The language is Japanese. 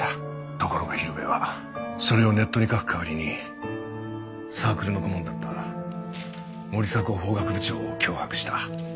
ところが広辺はそれをネットに書く代わりにサークルの顧問だった森迫法学部長を脅迫した。